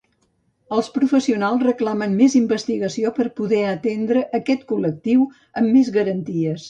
Els professionals reclamen més investigació per poder atendre aquest col·lectiu amb garanties.